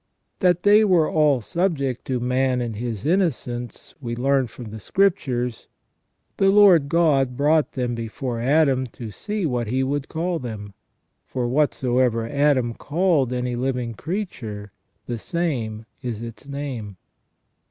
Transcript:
That they were all subject to man in his innocence we learn from the Scriptures :" The Lord God brought them before Adam to see what he would call them : for whatsoever Adam called any living creature, the same is its name